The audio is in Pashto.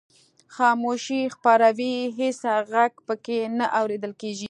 خاموشي خپره وي هېڅ غږ پکې نه اورېدل کیږي.